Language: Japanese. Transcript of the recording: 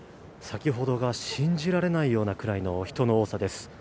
先ほどが信じられないくらいの人の多さです。